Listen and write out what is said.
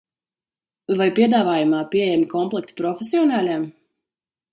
Vai piedāvājumā pieejami komplekti profesionāļiem?